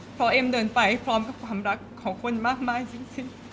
เพราะเอ็มเดินไปพร้อมกับความรักของคนมากมายสิ้น